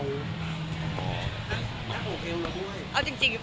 นั่งโอเคแหละไหม